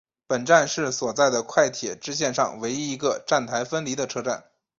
本站是所在的快铁支线上唯一一个站台分离的车站。